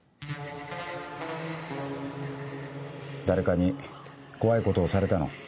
誰かに怖いことをされたの？